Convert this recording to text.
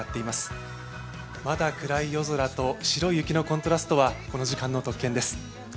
まだ暗い夜空と白い雪のコントラストは、この時間の特権です。